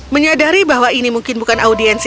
menyadari bahwa ini mungkin bukan audiensi